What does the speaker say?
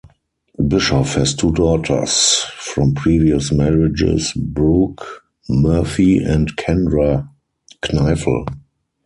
Bischoff has two daughters from previous marriages, Brooke Murphy and Kendra Kneifel.